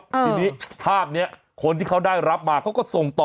ทีนี้ภาพนี้คนที่เขาได้รับมาเขาก็ส่งต่อ